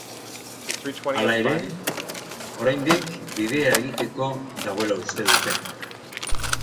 Hala ere, oraindik bidea egiteko dagoela uste dute.